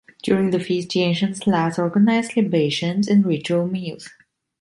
During the feast the ancient Slavs organized libations and ritual meals.